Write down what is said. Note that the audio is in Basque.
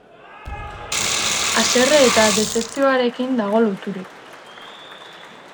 Haserre eta dezepzioarekin dago loturik.